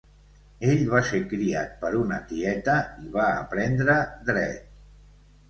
Ell va ser criat per una tieta i va aprendre Dret.